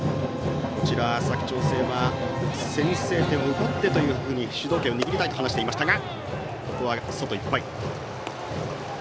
こちら佐久長聖は先制点を奪ってというふうに主導権を握りたいと話していましたが。